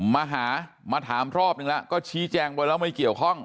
มาหามาถามรอบนึงแล้วก็ชี้แจงไว้แล้วไม่เกี่ยวข้อง